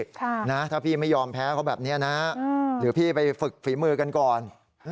ถ้าพี่ไม่ยอมแพ้เขาแบบนี้นะหรือพี่ไปฝึกฝีมือกันก่อน